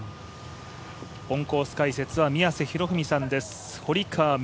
オンコース解説は宮瀬博文さんです。